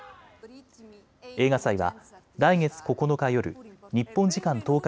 映画祭は来月９日夜、日本時間１０日